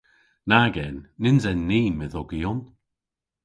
Nag en. Nyns en ni medhogyon.